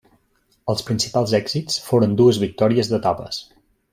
Els principals èxits foren dues victòries d'etapes.